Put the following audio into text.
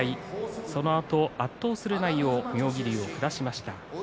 そのあと圧倒する内容で妙義龍を下しました。